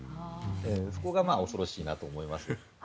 そこが恐ろしいなと思います。